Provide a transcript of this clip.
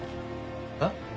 えっ？